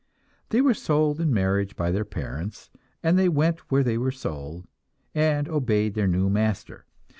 They were sold in marriage by their parents, and they went where they were sold, and obeyed their new master.